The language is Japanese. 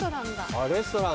あっレストラン。